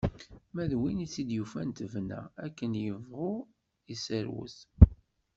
Ma d win tt-id yufan tebna, akken yebɣa i yesserwet.